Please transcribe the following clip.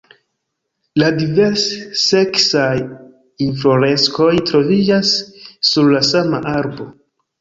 La divers-seksaj infloreskoj troviĝas sur la sama arbo.